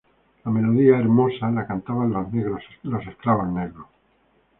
La melodía, hermosa, la cantaban los negros esclavos.